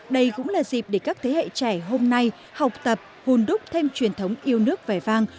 đây cũng là dịp để các thế hệ trẻ hôm nay học tập hùn đúc thêm truyền thống yêu nước vẻ vang